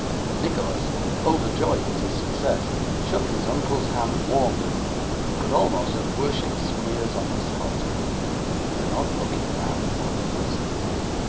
Nicholas, overjoyed at his success, shook his uncle's hand warmly, and could almost have worshipped Squeers upon the spot. 'He is an odd looking man,' thought Nicholas.